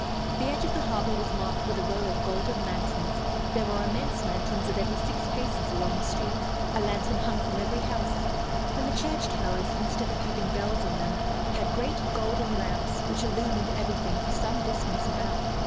The edge of the harbor was marked with a row of golden lanterns; there were immense lanterns at every six paces along the streets; a lantern hung from every house; and the church towers, instead of having bells in them, had great golden lamps which illumined everything for some distance about.